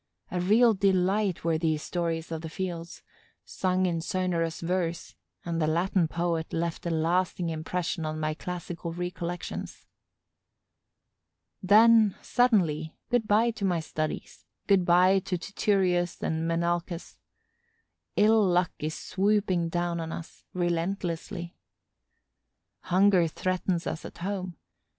A real delight were these stories of the fields, sung in sonorous verse; and the Latin poet left a lasting impression on my classical recollections. Then, suddenly, good by to my studies, good by to Tityrus and Menalcas. Ill luck is swooping down on us, relentlessly. Hunger threatens us at home.